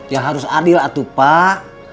yang harus adil atuh pak